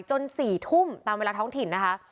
๔ทุ่มตามเวลาท้องถิ่นนะคะ